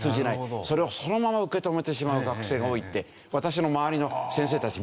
それをそのまま受け止めてしまう学生が多いって私の周りの先生たち